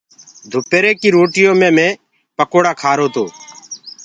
دُپيري ڪي روٽيو مي مينٚ پِڪوڙآ کآرو تو۔